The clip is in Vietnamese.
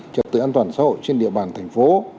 trật tự an toàn xã hội trên địa bàn thành phố